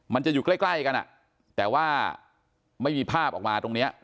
มันจะอยู่ใกล้ใกล้กันอ่ะแต่ว่าไม่มีภาพออกมาตรงเนี้ย